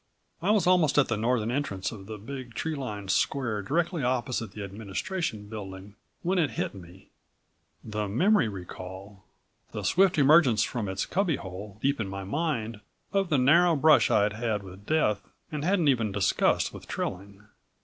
I was almost at the northern entrance of the big, tree lined square directly opposite the Administration Building when it hit me the memory recall, the swift emergence from its cubby hole deep in my mind of the narrow brush I'd had with Death and hadn't even discussed with Trilling.